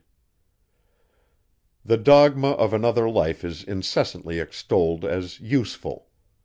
The dogma of another life is incessantly extolled, as useful.